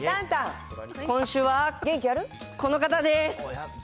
今週はこの方です。